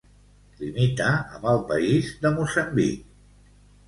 Limita amb el país de Moçambic.